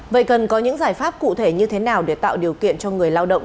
vậy cần có những giải pháp cụ thể như thế nào để tạo điều kiện cho người lao động